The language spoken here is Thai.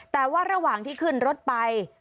แต่ว่าระหว่างที่ขึ้นรถไป